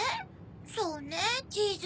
そうねチーズ。